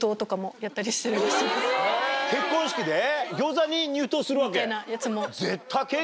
結婚式で餃子に入刀するわけ？